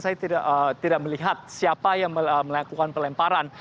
saya tidak melihat siapa yang melakukan pelemparan